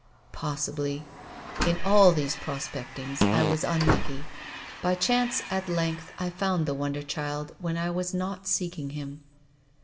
" Possibly. In all these prospectings I was un lucky. By chance at length I found the wonder child when I was not seeking him."